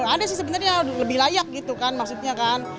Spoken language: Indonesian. ada sih sebenarnya lebih layak gitu kan maksudnya kan